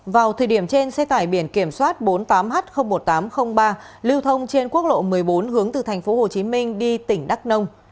vào thời điểm trên xe tải biển kiểm soát bốn mươi tám h một nghìn tám trăm linh ba lưu thông trên quốc lộ một mươi bốn hướng từ thành phố hồ chí minh đi tỉnh đắk nông